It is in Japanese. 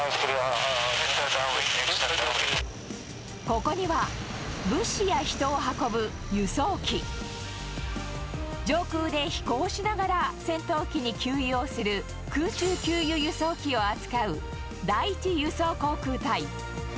ここには、物資や人を運ぶ輸送機、上空で飛行しながら戦闘機に給油をする、空中給油輸送機を扱う第１輸送航空隊。